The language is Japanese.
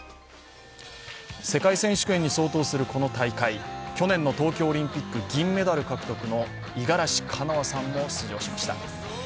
世界選手権に相当するこの大会、去年の東京オリンピック銀メダル獲得の五十嵐カノアさんも出場しました。